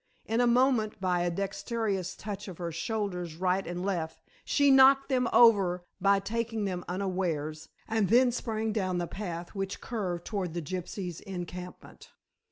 In a moment, by a dexterous touch of her shoulders right and left, she knocked them over by taking them unawares, and then sprang down the path which curved towards the gypsies' encampment.